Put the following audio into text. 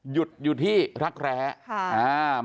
หยุดอยู่ที่รักแรง